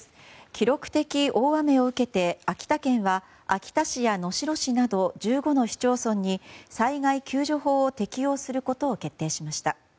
記録的大雨を受けて秋田県は秋田市や能代市など１５の市町村に災害救助法を適用することを決定しました。